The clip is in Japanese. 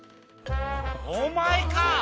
「お前か！」